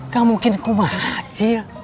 gak mungkin kumah acil